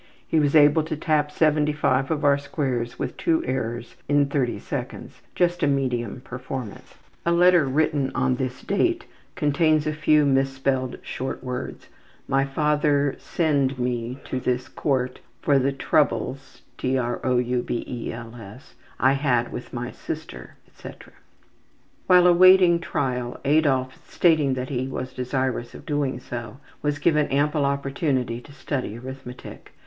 He was able to tap 75 of our squares with 2 errors in 30 seconds, just a medium performance. A letter written on this date contains quite a few mis spelled short words: ``My father Send me to This Court for The troubels I had with my sister,'' etc. While awaiting trial Adolf, stating that he was desirous of doing so, was given ample opportunity to study arithmetic.